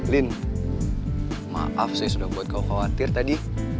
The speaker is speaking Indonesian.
lin maaf saya sudah buat kau khawatir tadi